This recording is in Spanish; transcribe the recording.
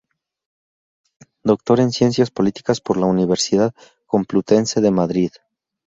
Doctor en Ciencias Políticas por la Universidad Complutense de Madrid.